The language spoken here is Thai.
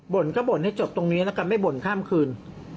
บ่นก็บ่นให้จบตรงนี้นะครับไม่บ่นข้ามคืน